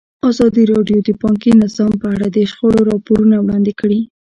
ازادي راډیو د بانکي نظام په اړه د شخړو راپورونه وړاندې کړي.